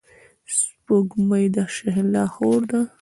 سپوږمۍ د شهلا خور ده.